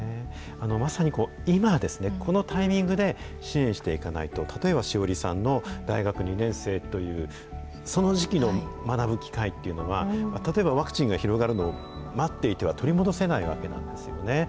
まさに今ですね、このタイミングで支援していかないと、例えばしおりさんの大学２年生という、その時期の学ぶ機会っていうのは、例えばワクチンが広がるのを待っていては取り戻せないわけなんですよね。